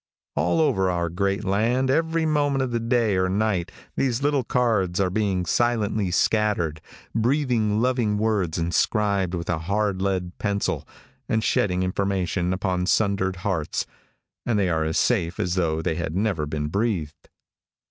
All over our great land every moment of the day or night these little cards are being silently scattered, breathing loving words inscribed with a hard lead pencil, and shedding information upon sundered hearts, and they are as safe as though they had never been breathed.